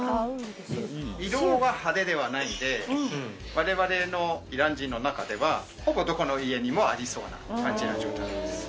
色が派手ではないんでわれわれのイラン人の中ではほぼどこの家にもありそうな感じのじゅうたんです。